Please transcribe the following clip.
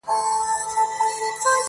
• عجیبه ده لېونی آمر مي وایي.